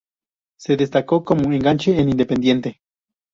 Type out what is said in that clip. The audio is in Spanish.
Se destacó como enganche en Independiente.